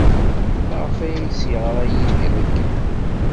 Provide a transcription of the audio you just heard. Maɣef ay as-yeɣra Yidir akken?